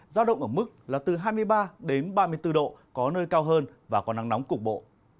giao động ở mức là từ hai mươi ba đến ba mươi bốn độ có nơi cao hơn và có nắng nóng cục bộ